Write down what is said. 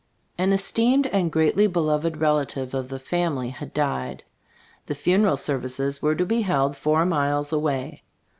An esteemed and greatly beloved relative of the family had died. The funeral ser vices were to be held four miles away.